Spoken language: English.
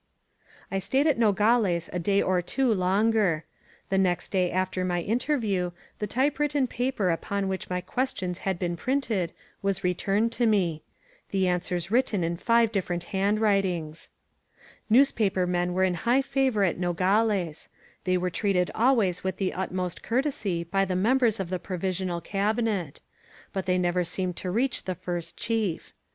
I stayed at Nogales a day or two longer. The next day after my interview, the typewritten paper upon which my questions had been printed was returned to me ; the answers written in five different handwritings. 276 CARRANZA— AN IMPRESSION Newspaper men were in high favor at Nogales; they were treated always with the utmost courtesy by the members of the Provisional Cabinet; but they never seemed to reach the First Chief.